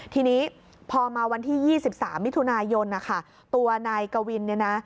ทีนี้พอมาวันที่๒๓มิถุนายนนะคะตัวนายกวินเนี่ยนะ